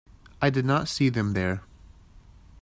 I did not see them there.